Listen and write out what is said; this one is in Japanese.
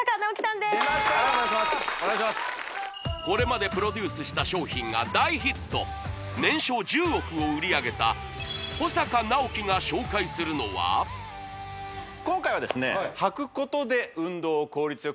これまでプロデュースした商品が大ヒット年商１０億を売り上げた保阪尚希が紹介するのは今回はですね